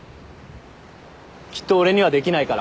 きっと俺にはできないから。